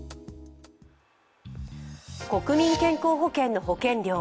国民健康保険の保険料